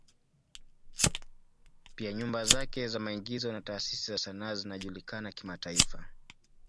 Pia nyumba zake za maigizo na taasisi za sanaa zinajulikana kimataifa.